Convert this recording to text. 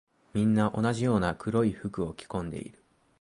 みんな同じような黒い服を着込んでいる。